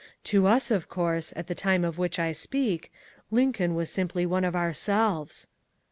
To us, of course, at the time of which I speak, Lincoln was simply one of ourselves."